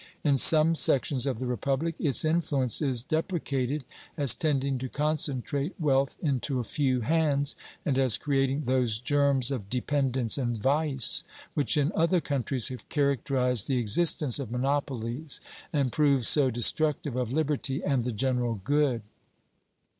In some sections of the Republic its influence is deprecated as tending to concentrate wealth into a few hands, and as creating those germs of dependence and vice which in other countries have characterized the existence of monopolies and proved so destructive of liberty and the general good.